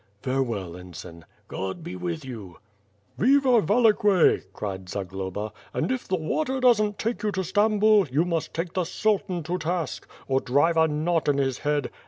"Farewell, ensign." "God be with you." "Vive vakqve'^ cried Zagloba, "and if the water doesn't take you to Stambul, you must take the Sultan to task. Or drive a knot in his head!